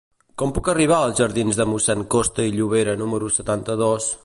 Com puc arribar a la jardins de Mossèn Costa i Llobera número setanta-dos?